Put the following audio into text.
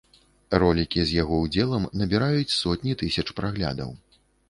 Ролікі з яго удзелам набіраюць сотні тысяч праглядаў.